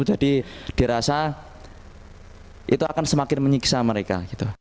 jadi dirasa itu akan semakin menyiksa mereka